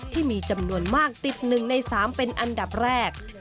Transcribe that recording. ที่มีจำนวนมากติด๑ใน๓เป็นอันดับแรก